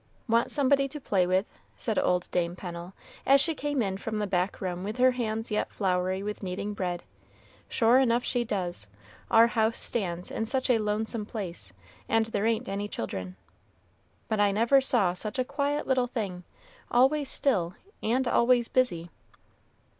"Want somebody to play with," said old Dame Pennel, as she came in from the back room with her hands yet floury with kneading bread; "sure enough, she does. Our house stands in such a lonesome place, and there ain't any children. But I never saw such a quiet little thing always still and always busy."